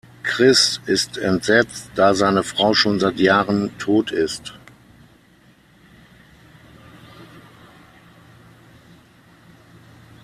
Chris ist entsetzt, da seine Frau schon seit Jahren tot ist.